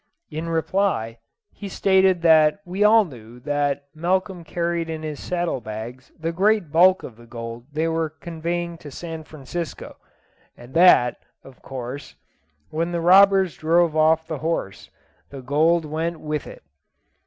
In reply, he stated that we all knew that Malcolm carried in his saddle bags the great bulk of the gold they were conveying to San Francisco; and that, of course, when the robbers drove off the horse, the gold went with it.